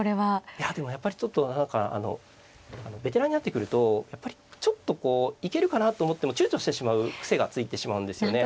いやでもやっぱりちょっと何かあのベテランになってくるとやっぱりちょっとこう行けるかなと思ってもちゅうちょしてしまう癖がついてしまうんですよね。